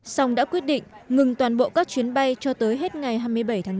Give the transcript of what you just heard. xong đã quyết định ngừng toàn bộ các chuyến bay cho tới hết ngày hai mươi bảy tháng năm